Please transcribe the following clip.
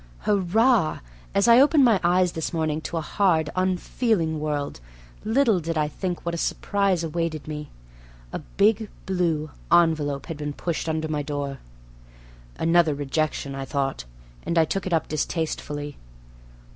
Hurrah! As I opened my eyes this morning to a hard, unfeeling world, little did I think what a surprise awaited me. A big blue envelope had been pushed under my door. Another rejection, I thought, and I took it up distastefully.